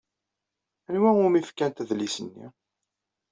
Anwa umi fkant adlis-nni?